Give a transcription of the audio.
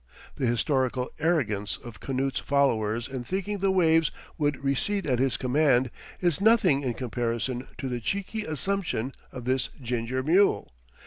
The historical arrogance of Canute's followers in thinking the waves would recede at his command, is nothing in comparison to the cheeky assumption of this ginger mule.